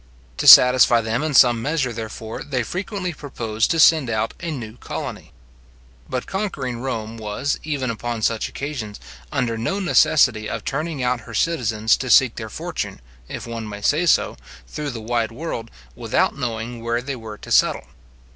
To satisfy them in some measure, therefore, they frequently proposed to send out a new colony. But conquering Rome was, even upon such occasions, under no necessity of turning out her citizens to seek their fortune, if one may so, through the wide world, without knowing where they were to settle.